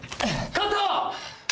カット！